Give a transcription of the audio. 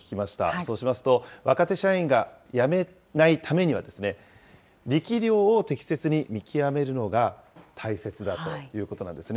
そうしますと、若手社員が辞めないためには、力量を適切に見極めるのが大切だということなんですね。